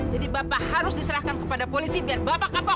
jadi bapak harus diserahkan kepada polisi biar bapak kapok